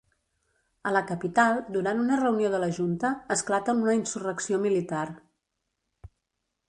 A la capital, durant una reunió de la Junta, esclata una insurrecció militar.